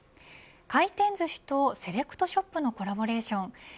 回転寿司とセレクトショップのコラボレーション